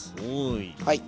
はい。